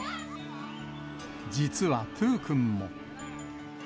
実はトゥー君も。